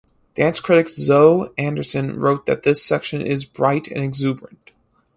Dance critic Zoe Anderson wrote that this section is "bright and exuberant".